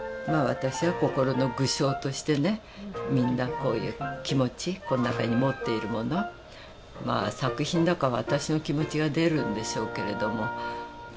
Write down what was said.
私は心の具象としてねみんなこういう気持ちこの中に持っているものまあ作品だから私の気持ちが出るんでしょうけれども。